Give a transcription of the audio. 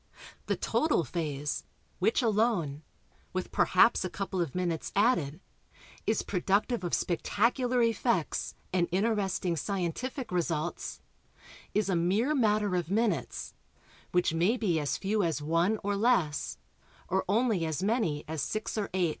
The total phase which alone (with perhaps a couple of minutes added) is productive of spectacular effects, and interesting scientific results is a mere matter of minutes which may be as few as one (or less), or only as many as 6 or 8.